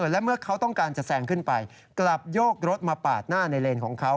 และเมื่อเขาต้องการจะแซงขึ้นไปกลับโยกรถมาปาดหน้าในเลนของเขา